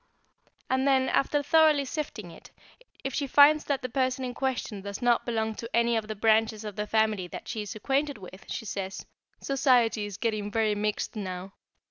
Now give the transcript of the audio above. And then, after thoroughly sifting it, if she finds that the person in question does not belong to any of the branches of the family that she is acquainted with, she says "Society is getting very mixed now."